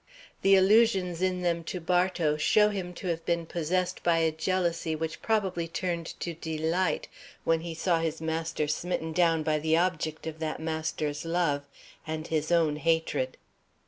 The allusions in them to Bartow show him to have been possessed by a jealousy which probably turned to delight when he saw his master smitten down by the object of that master's love and his own hatred.